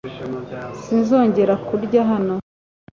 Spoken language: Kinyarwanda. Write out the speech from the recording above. Sinzongera kurya hano